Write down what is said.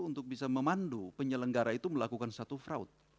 untuk bisa memandu penyelenggara itu melakukan satu fraud